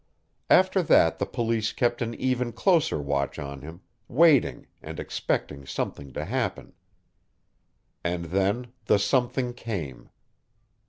After that the Police kept an even closer watch on him, waiting, and expecting something to happen. And then the something came.